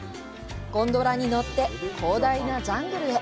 ゴンドラに乗って、広大なジャングルへ！